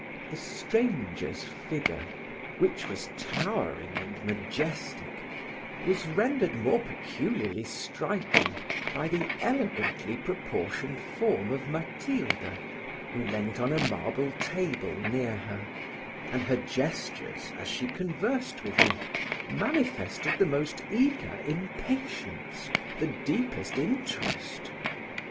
The stranger's figure, which was towering and majestic, was rendered more peculiarly striking, by the elegantly proportioned form of Matilda, who leant on a marble table near her; and her gestures, as she conversed with him, manifested the most eager impatience, the deepest interest.